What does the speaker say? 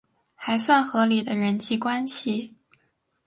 还算合理的人际关系